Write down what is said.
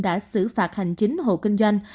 đã xử phạt hành chính hộ kinh doanh